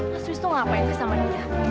mas wisnu ngapain sih sama dia